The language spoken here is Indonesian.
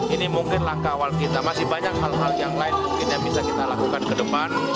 ini mungkin langkah awal kita masih banyak hal hal yang lain mungkin yang bisa kita lakukan ke depan